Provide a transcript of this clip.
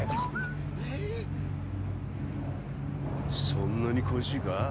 そんなに恋しいか？